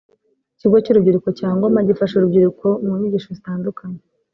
Ikigo cy’Urubyiruko cya Ngoma gifasha urubyiruko mu nyigisho zitandukanye